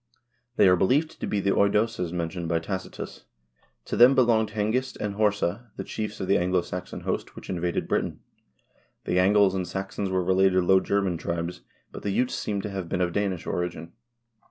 They are believed to be the Eudoses men tioned by Tacitus. To them belonged Hengist and Horsa, the chiefs of the Anglo Saxon host which invaded Britain. The Angles and Saxons were related Low German tribes, but the Jutes seem to have been of Danish origin.